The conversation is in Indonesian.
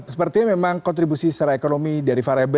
sepertinya memang kontribusi secara ekonomi dari variable